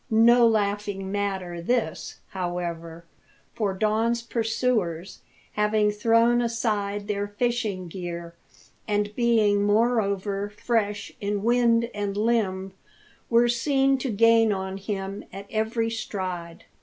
No laughing matter this, however; for Don's pursuers, having thrown aside their fishing gear, and being moreover fresh in wind and limb, were seen to gain on him at every stride.